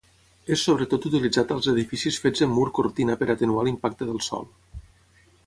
És sobretot utilitzat als edificis fets en mur cortina per atenuar l'impacte del sol.